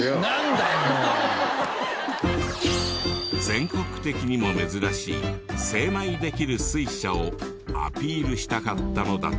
全国的にも珍しい精米できる水車をアピールしたかったのだとか。